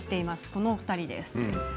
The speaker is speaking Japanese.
このお二人です。